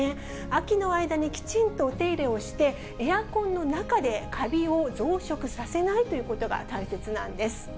秋の間にきちんとお手入れをして、エアコンの中でカビを増殖させないということが大切なんです。